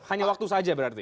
hanya waktu saja berarti